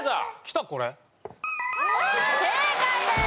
正解です！